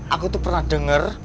aku tuh pernah denger